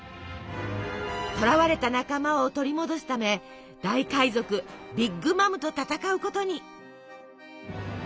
捕らわれた仲間を取り戻すため大海賊ビッグ・マムと戦うことに。